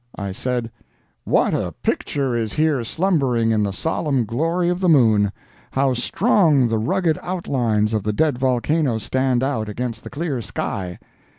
I said: "What a picture is here slumbering in the solemn glory of the moon! How strong the rugged outlines of the dead volcano stand out against the clear sky!